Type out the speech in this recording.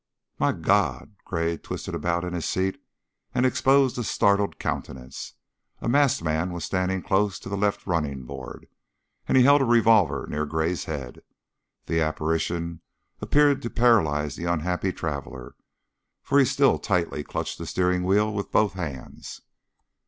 "My God!" Gray twisted about in his seat and exposed a startled countenance. A masked man was standing close to the left running board, and he held a revolver near Gray's head; the apparition appeared to paralyze the unhappy traveler, for he still tightly clutched the steering wheel with both hands.